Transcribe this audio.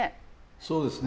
そうですね。